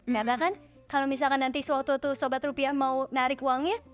karena kan kalau misalkan nanti waktu itu sobat rupiah mau narik uangnya